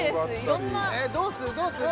色んなどうするどうする？